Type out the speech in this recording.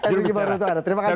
terima kasih mas romi